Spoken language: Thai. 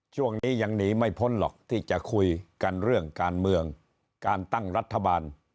ช่วงนี้ยังหนีไม่พ้นหรอกที่จะคุยกันเรื่องการเมืองการตั้งรัฐบาล